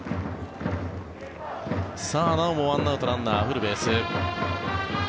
なおも１アウトランナーフルベース。